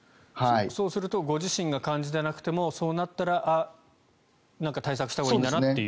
そうするとご自身が感じていなくてもそうなったら何か対策したほうがいいんだなと。